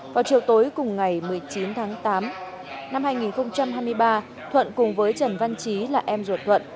vào chiều tối cùng ngày một mươi chín tháng tám năm hai nghìn hai mươi ba thuận cùng với trần văn chí là em ruột thuận